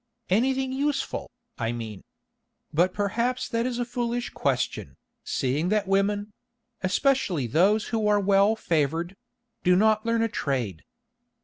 "Anything useful, I mean? But perhaps that is a foolish question, seeing that women—especially those who are well favoured—do not learn a trade."